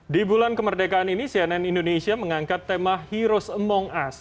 di bulan kemerdekaan ini cnn indonesia mengangkat tema heroes among us